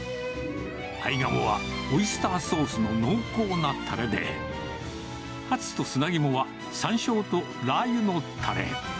アイガモはオイスターソースの濃厚なたれで、ハツと砂肝はさんしょうとラー油のたれ。